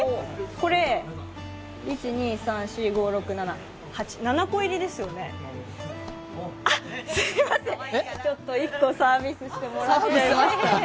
これ１、２、３、４、５、６、７、８７個入りですよねあっ、すみません、１個サービスしてもらっちゃいました。